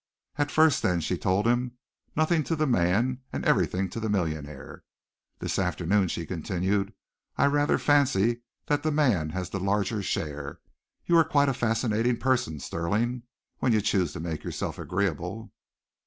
"At first, then," she told him, "nothing to the man, and everything to the millionaire. This afternoon," she continued, "I rather fancy that the man has the larger share. You are quite a fascinating person, Stirling, when you choose to make yourself agreeable."